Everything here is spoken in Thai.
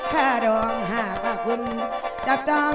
ค่ารองหากว่าคุณจับจอง